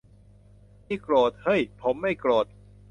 นี่โกรธ - เฮ้ย ผมไม่โกรธ !